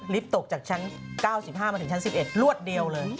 ตกจากชั้น๙๕มาถึงชั้น๑๑รวดเดียวเลย